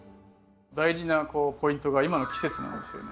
大事なポイントが今の季節なんですよね。